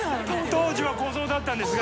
当時は子象だったんですが。